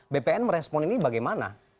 bpn merespon ini bagaimana